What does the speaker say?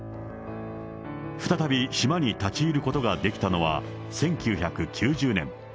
再び島に立ち入ることができたのは、１９９０年。